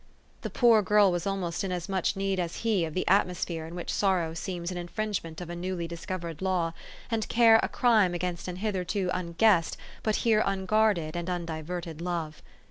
The poor girl was almost in as much need as he of the atmosphere in which sorrow seems an in fringement of a newly discovered law, and care a crime against an hitherto unguessed, but here un guarded and undiverted love.